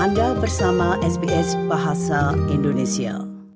anda bersama sps bahasa indonesia